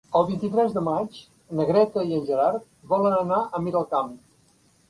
El vint-i-tres de maig na Greta i en Gerard volen anar a Miralcamp.